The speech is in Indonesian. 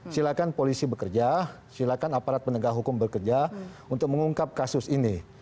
silakan polisi bekerja silakan aparat penegak hukum bekerja untuk mengungkap kasus ini